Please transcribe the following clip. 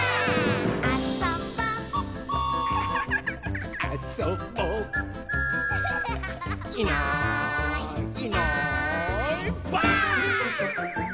「あそぼ」「あそぼ」「いないいないばあっ！」